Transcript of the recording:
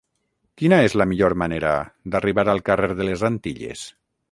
Quina és la millor manera d'arribar al carrer de les Antilles?